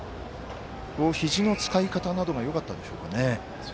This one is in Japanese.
ひじの使い方などもよかったでしょうかね。